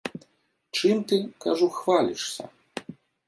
Чым ты, кажу, хвалішся?